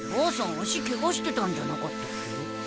足ケガしてたんじゃなかったっけ？